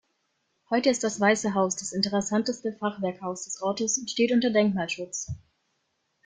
Heute ist das Weiße Haus das interessanteste Fachwerkhaus des Ortes und steht unter Denkmalschutz.